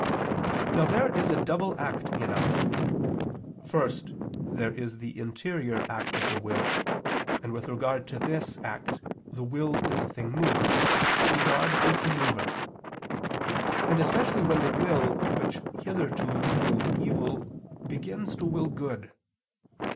Now there is a double act in us. First, there is the interior act of the will, and with regard to this act the will is a thing moved, and God is the mover; and especially when the will, which hitherto willed evil, begins to will good.